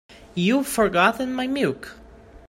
You've forgotten my milk.